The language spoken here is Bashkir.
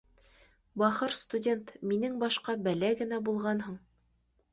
Бахыр студент, минең башҡа бәлә генә булғанһың